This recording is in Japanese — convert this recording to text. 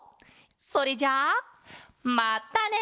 それじゃあまったね！